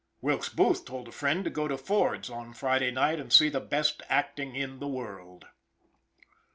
Wilkes Booth told a friend to go to Ford's on Friday night and see the best acting in the world.